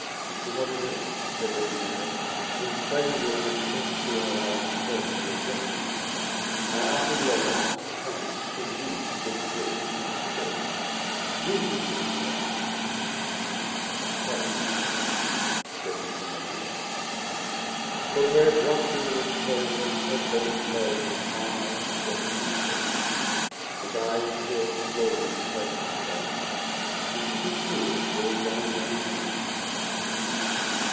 "Mr. Molyneux," said Lady Mary, "in spite of your discourtesy in allowing a servant to address me, I offer you a last chance to leave this room undisgraced. Will you give me your arm?" "Pardon me, madam," said Mr. Molyneux. Beaucaire dropped into a chair with his head bent low and his arm outstretched on the table; his eyes filled slowly in spite of himself, and two tears rolled down the young man's cheeks.